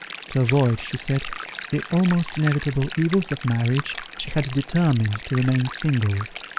To avoid, she said, the almost inevitable evils of marriage, she had determined to remain single.